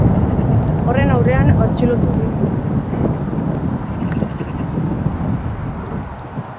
Horren aurrean, atxilotu egin zuten.